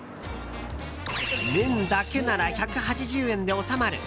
麺だけなら１８０円で収まる。